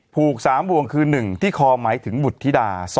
ผูก๓วงคือ๑ที่คอหมายถึงบุตรธิดา